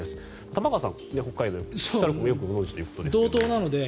玉川さん、北海道屈斜路湖をよくご存じだということです。